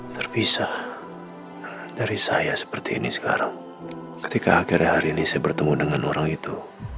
terpisah dari saya seperti ini sekarang ketika akhirnya hari ini saya bertemu dengan orang itu